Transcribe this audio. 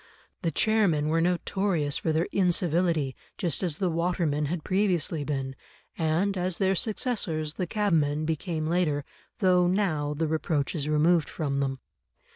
The chairmen were notorious for their incivility, just as the watermen had previously been, and as their successors, the cabmen, became later, though now the reproach is removed from them.